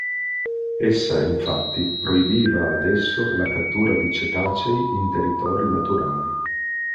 Essa infatti proibiva ad esso la cattura di cetacei in territori naturali.